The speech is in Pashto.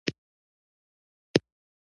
چینایان په صبر او حوصله کار کوي.